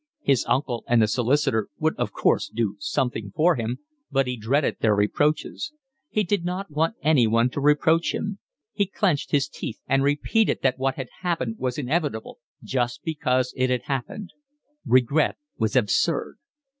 His uncle and the solicitor would of course do something for him, but he dreaded their reproaches. He did not want anyone to reproach him: he clenched his teeth and repeated that what had happened was inevitable just because it had happened. Regret was absurd.